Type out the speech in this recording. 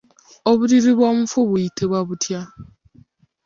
Obuliri bw'omufu buyitibwa butya?